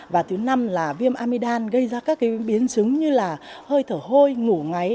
và thứ năm là viêm amidam gây ra các biến chứng như là hơi thở hôi ngủ ngáy